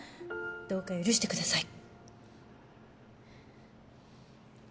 どうか許してください。